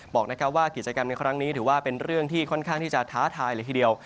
บอกว่ากิจกรรมในครั้งนี้ถือว่าเป็นเรื่องที่ค่อนข้างที่จะท้าทายเลยทีเดียว